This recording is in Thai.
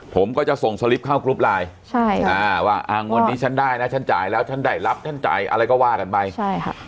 ผมก็จะส่งสลิปเข้ากรุ๊ปไลน์ใช่อ่าว่าวันนี้ฉันได้นะฉันจ่ายแล้วฉันได้รับฉันจ่ายอะไรก็ว่ากันไปใช่ค่ะ